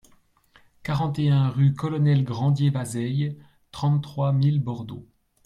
quarante et un rue Colonel Grandier-Vazeille, trente-trois mille Bordeaux